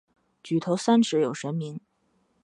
举头三尺有神明。